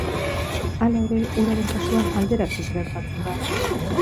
Hala ere uraren kasuan alderantziz gertatzen da.